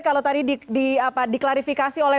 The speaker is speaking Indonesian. kalau tadi diklarifikasi oleh